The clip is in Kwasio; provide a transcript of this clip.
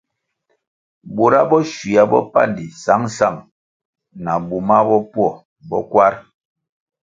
Bura bo shywua bopandi sangsang na bumah bopwo bo kwar.